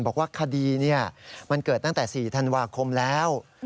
บอกว่าคดีมันเกิดตั้งแต่๔ธันวาคมแล้ว